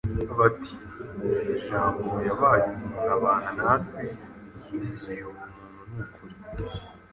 bati, “jambo uwo yabaye umuntu abana natwe,… yuzuye ubuntu n’ukuri.